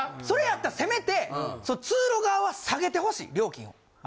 それやったらせめて通路側は下げてほしい料金を。